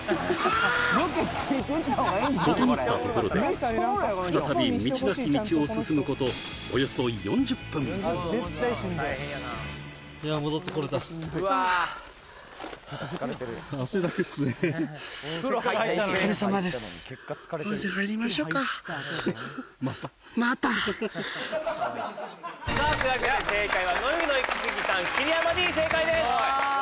ととのったところで再び道なき道を進むことさあというわけで正解は野湯のイキスギさん桐山Ｄ正解ですわあ！